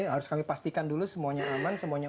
harus kami pastikan dulu semuanya aman semuanya